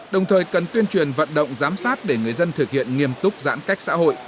đồng thời cần tuyên truyền vận động giám sát để người dân thực hiện nghiêm túc giãn cách xã hội